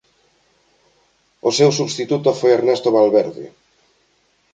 O seu substituto foi Ernesto Valverde.